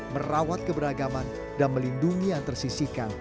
merawat keberagaman dan melindungi yang tersisikan